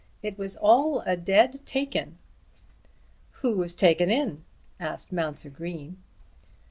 "It was all a dead take in." "Who was taken in?" asked Mounser Green.